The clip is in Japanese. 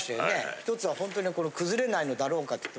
ひとつはホントに崩れないのだろうかって。